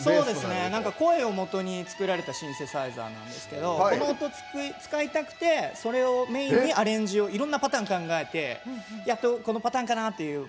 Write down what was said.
声をもとに作られたシンセサイザーなんですけどこの音を使いたくてそれをメインにアレンジをいろんなパターン考えて、やっとこのパターンかなっていう。